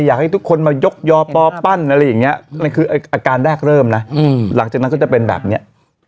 อยากให้ทุกคนมายกยอปอปั้นอะไรอย่างนี้นั่นคืออาการแรกเริ่มนะหลังจากนั้นก็จะเป็นแบบเนี้ย